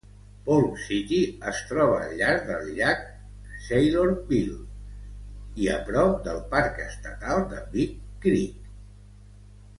Polk City es troba al llarg del llac Saylorville i a prop del parc estatal de Big Creek.